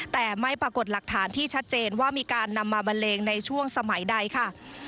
แต่ไม่ปรากฏหลักฐานที่ชัดเจนว่ามีการนำมาบันเลงในช่วงสมัยใดค่ะ